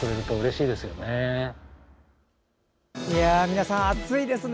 皆さん熱いですね。